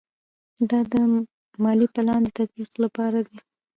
دا د مالي پلان د تطبیق لپاره دی.